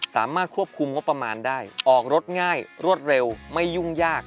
สามารถควบคุมงบประมาณได้ออกรถง่ายรวดเร็วไม่ยุ่งยาก